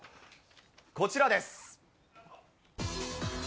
こちらです。